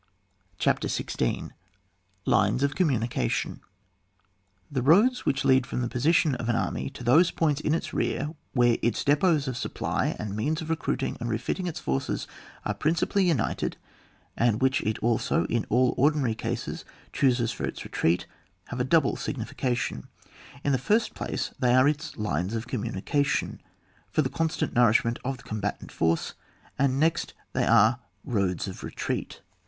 CHAPTER XVI. LINES OF COMMUNICATION. The roads which lead from the position of an army to those points in its rear where its depots of supply and means of recruiting and refitting its forces are principally united, and which it also in all ordinary cases chooses for its retreat, have a double signification ; in the first place, they are its lines of cammunieaiion for the constant nourishment of the com batant force, and next they are roads of retreat.